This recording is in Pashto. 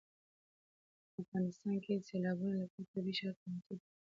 په افغانستان کې د سیلابونو لپاره طبیعي شرایط مناسب دي.